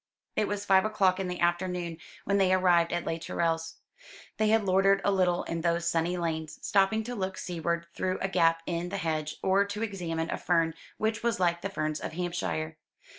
It was five o'clock in the afternoon when they arrived at Les Tourelles. They had loitered a little in those sunny lanes, stopping to look seaward through a gap in the hedge, or to examine a fern which was like the ferns of Hampshire.